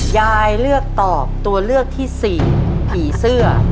ยายเลือกตอบตัวเลือกที่สี่ผีเสื้อ